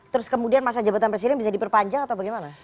terus kemudian masa jabatan presiden bisa diperpanjang atau bagaimana